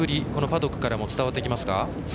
パドックからも伝わってきますか？